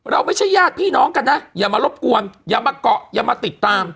ไม่ใช่ญาติพี่น้องกันนะอย่ามารบกวนอย่ามาเกาะอย่ามาติดตาม